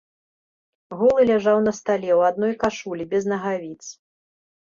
Голы ляжаў на стале, у адной кашулі, без нагавіц.